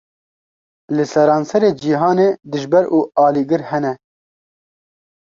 Li seranserê cîhanê, dijber û alîgir hene